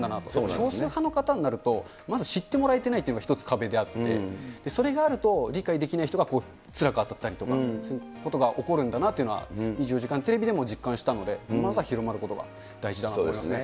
少数派の方になると、まず知ってもらえてないということが壁であって、それがあると、理解できない人がつらかったりとか、そういうことが起こるんだなというのは、２４時間テレビでも実感したので、まず広まることが大事だなと思いますね。